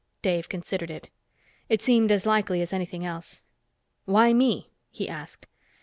Dave considered it. It seemed as likely as anything else. "Why me?" he asked.